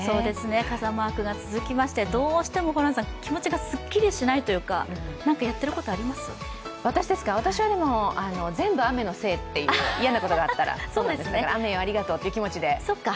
傘マークが続きまして、どうしても気持ちがすっきりしないというか、私は全部雨のせいっていう、嫌なことがあったら雨よ、ありがとうっていう気持ちで。